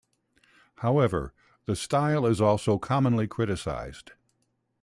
However, the style is also commonly criticized.